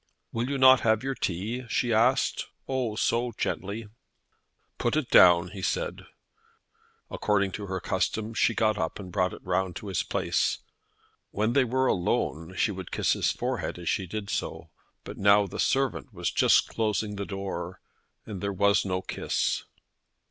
"Will you not have your tea?" she asked oh, so gently. "Put it down," he said. According to her custom, she got up and brought it round to his place. When they were alone she would kiss his forehead as she did so; but now the servant was just closing the door, and there was no kiss.